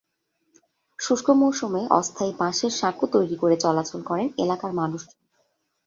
শুষ্ক মৌসুমে অস্থায়ী বাঁশের সাঁকো তৈরি করে চলাচল করেন এলাকার মানুষজন।